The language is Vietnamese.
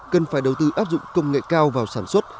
cần phải đầu tư áp dụng công nghệ cao vào sản xuất